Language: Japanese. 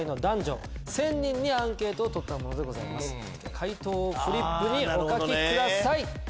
解答をフリップにお書きください。